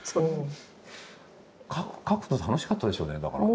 描くの楽しかったでしょうねだからね。